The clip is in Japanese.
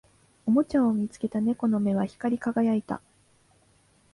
おもちゃを見つけた猫の目は光り輝いた